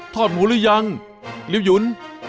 ทอดหมูหรือยังลิ้วยุ้น